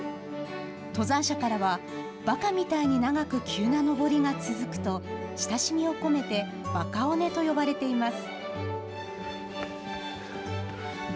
登山者からは、バカみたいに長く急な登りが続くと親しみを込めて「バカ尾根」と呼ばれています。